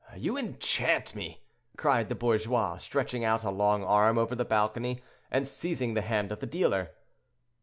"You enchant me!" cried the bourgeois, stretching out a long arm over the balcony and seizing the hand of the dealer.